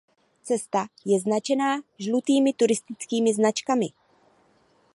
Cesta je značená žlutými turistickými značkami.